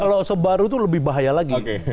kalau sebaru itu lebih bahaya lagi